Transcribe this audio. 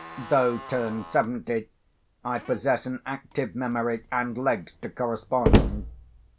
Though turned seventy, I possess an active memory, and legs to correspond.